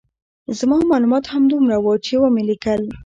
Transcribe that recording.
زما معلومات همدومره وو چې ومې لیکل.